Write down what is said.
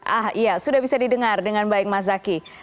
ah iya sudah bisa didengar dengan baik mas zaky